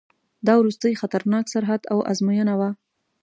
دا وروستی خطرناک سرحد او آزموینه وه.